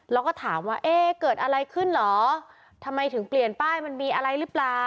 แล้วก็ถามว่าเอ๊ะเกิดอะไรขึ้นเหรอทำไมถึงเปลี่ยนป้ายมันมีอะไรหรือเปล่า